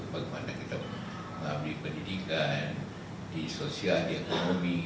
bagaimana kita mengambil pendidikan di sosial di ekonomi